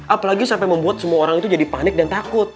apalagi sampai membuat semua orang itu jadi panik dan takut